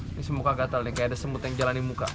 ini semuka gatel nih kayak ada semut yang jalani muka